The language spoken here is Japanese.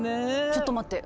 ちょっと待って。